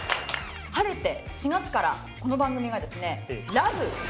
晴れて４月からこの番組がですね『ラブ！！